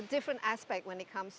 melihat aspek yang berbeda